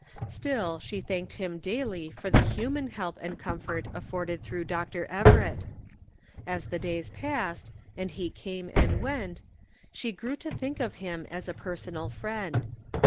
Still, she thanked Him daily for the human help and comfort afforded through Dr. Everett. As the days passed, and he came and went, she grew to think of him as a personal friend.